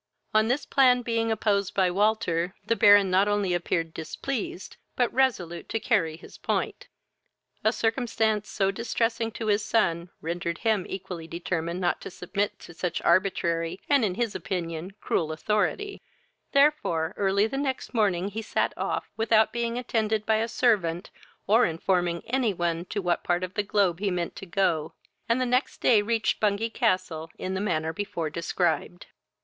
On this plan being opposed by Walter, the Baron not only appeared displeased, but resolute to carry his point. A circumstance so distressing to his son rendered him equally determined not to submit to such arbitrary, and, in his opinion, cruel authority; therefore, early the next morning he sat off, without being attended by a servant, or informing any one to what part of the globe he meant to go, and the next day reached Bungay castle in the manner before described.